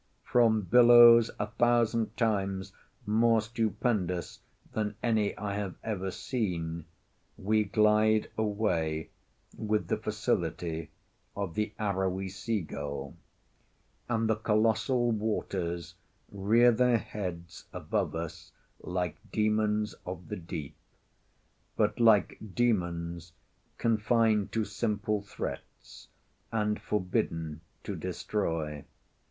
From billows a thousand times more stupendous than any I have ever seen, we glide away with the facility of the arrowy sea gull; and the colossal waters rear their heads above us like demons of the deep, but like demons confined to simple threats and forbidden to destroy.